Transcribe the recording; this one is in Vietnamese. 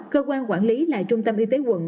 cơ quan quản lý là trung tâm y tế quận